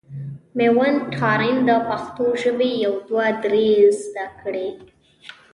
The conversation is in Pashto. مېوند تارڼ د پښتو ژبي يو دوه درې زده کړي.